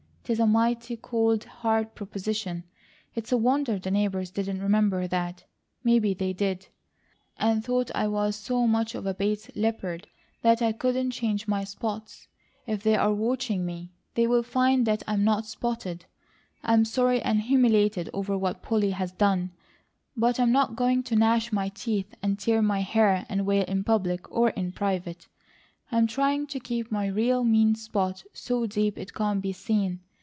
It's a mighty cold, hard proposition. It's a wonder the neighbours didn't remember that. Maybe they did, and thought I was so much of a Bates leopard that I couldn't change my spots. If they are watching me, they will find that I am not spotted; I'm sorry and humiliated over what Polly has done; but I'm not going to gnash my teeth, and tear my hair, and wail in public, or in private. I'm trying to keep my real mean spot so deep it can't be seen.